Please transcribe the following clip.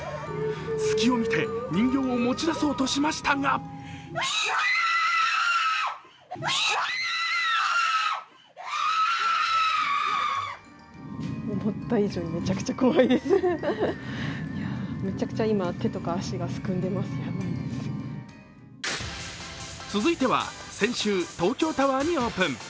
隙を見て人形を持ち出そうとしましたが続いては先週、東京タワーにオープン。